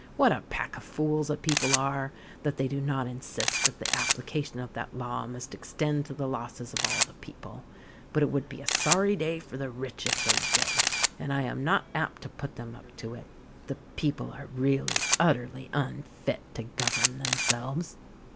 What a pack of fools the people are, that they do not insist that the application of that law must extend to the losses of all the people ; but it would be a sorry day for the rich if they did — and I am not apt to put them up to it. The people are really utterly unfit to govern themselves."